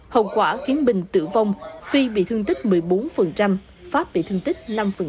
hậu quả khiến bình tử vong phi bị thương tích một mươi bốn pháp bị thương tích năm